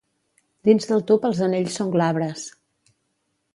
Dins del tub els anells són glabres.